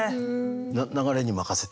流れに任せてね。